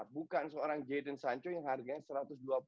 bukan seorang jaden sancho yang harganya rp satu ratus dua puluh